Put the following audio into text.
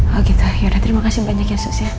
oh gitu yaudah terima kasih banyak ya sus ya